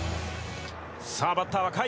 さあ、バッターは甲斐！